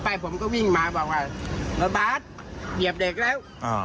ผมก็วิ่งมาบอกว่ารถบาทเหยียบเด็กแล้ว